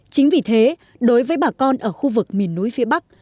chính vì thế đối với bà con ở khu vực miền núi phía bắc